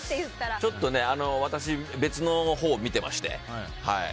ちょっとね、私別のほうを見てまして。